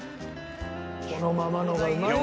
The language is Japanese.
このままの方がうまいでしょ。